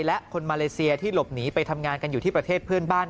และคนมาเลเซียที่หลบหนีไปทำงานกันอยู่ที่ประเทศเพื่อนบ้าน